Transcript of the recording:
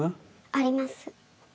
あります。